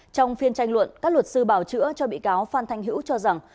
trong phiên tranh luận các luật sư bảo chữa cho bị cáo phan thanh hữu cho rằng